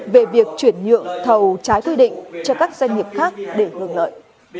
về việc chuyển nhượng thầu trái quy định cho các doanh nghiệp khác để hưởng lợi